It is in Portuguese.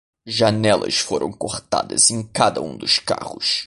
Janelas foram cortadas em cada um dos carros.